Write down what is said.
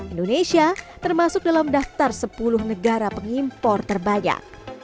indonesia termasuk dalam daftar sepuluh negara pengimpor terbanyak